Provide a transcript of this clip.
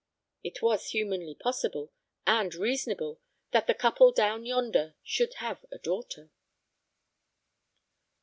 It was humanly possible and reasonable that the couple down yonder should have a daughter.